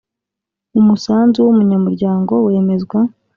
Umusanzu w umunyamuryango wemezwa